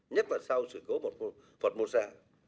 nhất là sau sự cố một phần mô xa